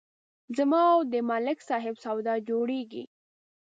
زما او د ملک صاحب سودا جوړېږي